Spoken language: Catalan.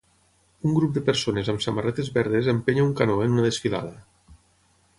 Un grup de persones amb samarretes verdes empenya un canó en una desfilada.